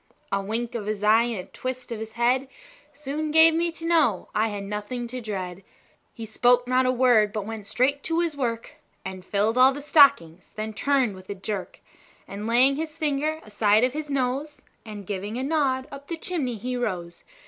A wink of his eye, and a twist of his head, Soon gave me to know I had nothing to dread. He spoke not a word, but went straight to his work, And filled all the stockings; then turned with a jerk, And laying his finger aside of his nose, And giving a nod, up the chimney he rose.